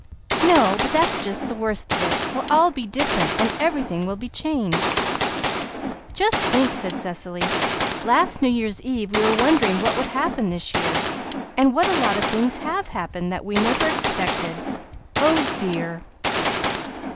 "No, but that's just the worst of it. We'll all be different and everything will be changed." "Just think," said Cecily, "last New Year's Eve we were wondering what would happen this year; and what a lot of things have happened that we never expected. Oh, dear!"